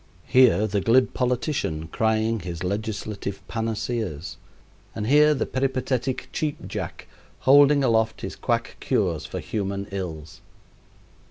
Here the glib politician crying his legislative panaceas, and here the peripatetic Cheap Jack holding aloft his quack cures for human ills.